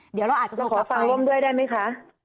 เดี๋ยวเราอาจจะโทรกลับไปแล้วขอฟังร่วมด้วยได้ไหมคะ